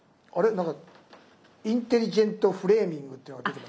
なんかインテリジェントフレーミングっていうのが出てきます。